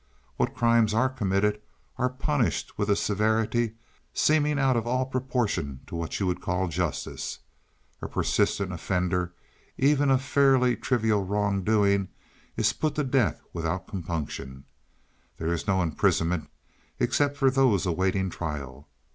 What crimes are committed are punished with a severity seemingly out of all proportion to what you would call justice. A persistent offender even of fairly trivial wrongdoing is put to death without compunction. There is no imprisonment, except for those awaiting trial.